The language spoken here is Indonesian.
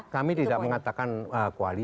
kami tidak mengatakan koalisi